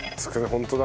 本当だ。